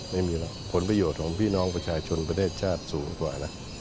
ไม่มีหรอกผลประโยชน์ของพี่น้องประชาชนประเทศชาติสูงกว่าแล้ว